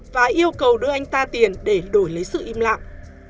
và yêu cầu đưa anh ta tiền để đổi lấy sự im lặng